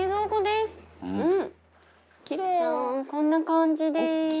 こんな感じです。